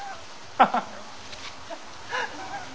ハハハッ。